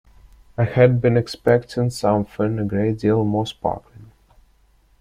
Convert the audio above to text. I had been expecting something a great deal more sparkling.